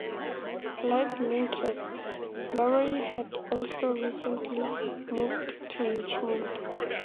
Like Linkous, Lowery had also recently moved to Richmond.